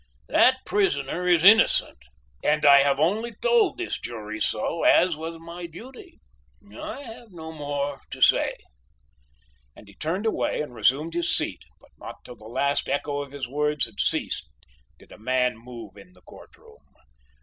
That prisoner is innocent and I have only told this jury so, as was my duty. I have no more to say"; and he turned away and resumed his seat, but not till the last echo of his words had ceased did a man move in the court room.